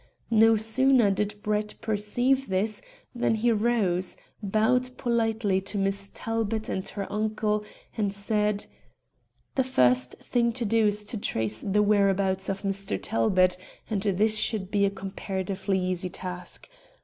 No sooner did Brett perceive this than he rose, bowed politely to Miss Talbot and her uncle, and said "The first thing to do is to trace the whereabouts of Mr. Talbot, and this should be a comparatively easy task.